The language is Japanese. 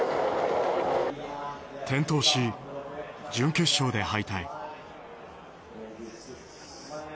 転倒し、準決勝で敗退。